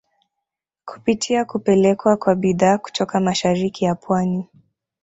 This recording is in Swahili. Kupitia kupelekwa kwa bidhaa kutoka mashariki ya pwani